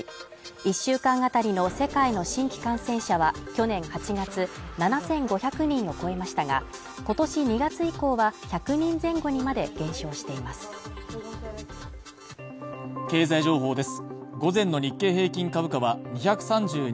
１週間あたりの世界の新規感染者は去年８月７５００人を超えましたが今年２月以降は１００人前後にまで減少しています下の子も ＫＵＭＯＮ を始めた